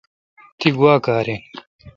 تی گوا کار این۔